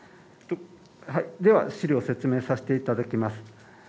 では資料説明させていただきます。